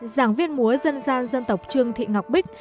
giảng viên múa dân gian dân tộc trương thị ngọc bích